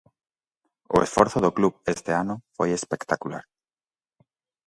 O esforzo do club este ano foi espectacular.